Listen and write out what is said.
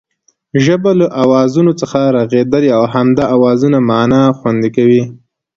ژبه له آوازونو څخه رغېدلې او همدا آوازونه مانا خوندي کوي